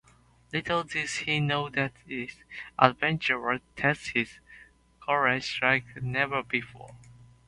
Little did he know that this adventure would test his courage like never before.